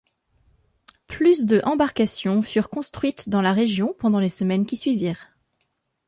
Plus de embarcations furent construites dans la région pendant les semaines qui suivirent.